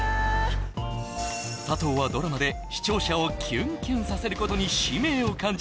佐藤はドラマで視聴者をキュンキュンさせることに使命を感じ